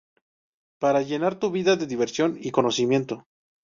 Para llenar tu vida de diversión y conocimiento.